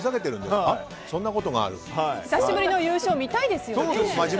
久しぶりの優勝見たいですよね。